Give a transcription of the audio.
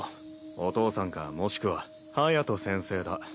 「お父さん」かもしくは「隼先生」だ。